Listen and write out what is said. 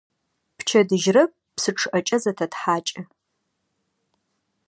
Пчэдыжьрэ псы чъыӀэкӀэ зытэтхьакӀы.